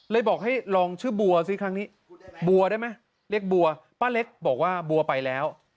บอกให้ลองชื่อบัวซิครั้งนี้บัวได้ไหมเรียกบัวป้าเล็กบอกว่าบัวไปแล้ว